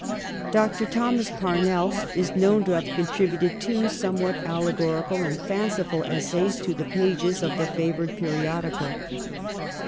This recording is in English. Dr. Thomas Parnell is known to have contri buted two somewhat allegorical and fanciful essays to the pages of the favoured periodical.